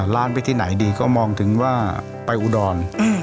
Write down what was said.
ร้านไปที่ไหนดีก็มองถึงว่าไปอุดร